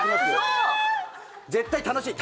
絶対楽しい！